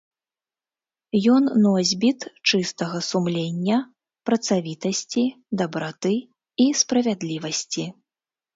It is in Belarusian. Ён носьбіт чыстага сумлення, працавітасці, дабраты і справядлівасці.